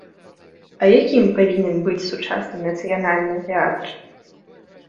А якім павінен быць сучасны нацыянальны тэатр?